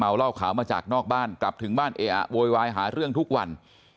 เหล้าขาวมาจากนอกบ้านกลับถึงบ้านเออะโวยวายหาเรื่องทุกวัน